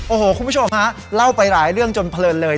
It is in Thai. โอ้โหคุณผู้ชมฮะเล่าไปหลายเรื่องจนเพลินเลย